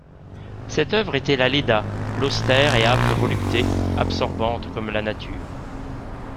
Cette oeuvre était la Léda, l'austère et âpre volupté, absorbante comme la nature.